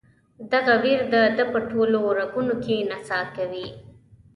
دغه ویر د ده په ټولو رګونو کې نڅا کوي.